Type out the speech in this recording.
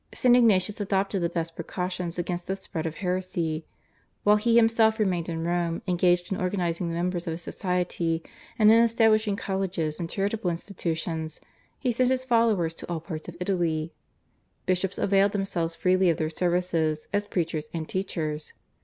St. Ignatius adopted the best precautions against the spread of heresy. While he himself remained in Rome engaged in organising the members of his society and in establishing colleges and charitable institutions, he sent his followers to all parts of Italy. Bishops availed themselves freely of their services as preachers and teachers.